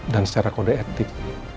dan secara kode etik